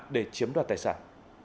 để chiếm đoạt tài sản